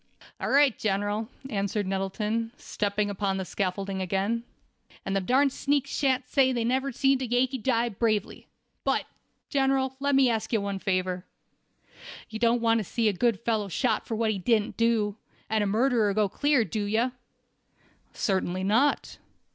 "All right, General," answered Nettleton, stepping upon the scaffolding again. "And them darn sneaks shan't say they never see'd a Yankee die bravely. But, General, let me ask of you one favor. You don't want to see a good fellow shot for what he didn't do, and a murderer go clear, do you?" "Certainly not."